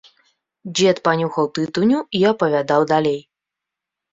Дзед панюхаў тытуню і апавядаў далей.